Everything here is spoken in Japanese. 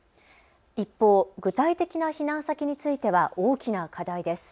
一方、具体的な避難先については大きな課題です。